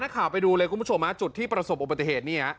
ข่าวไปดูเลยคุณผู้ชมจุดที่ประสบอุบัติเหตุนี่ฮะ